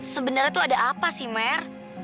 sebenarnya tuh ada apa sih mer